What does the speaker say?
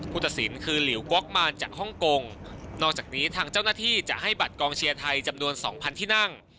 ตัดสินคือหลิวก๊อกมาจากฮ่องกงนอกจากนี้ทางเจ้าหน้าที่จะให้บัตรกองเชียร์ไทยจำนวนสองพันที่นั่ง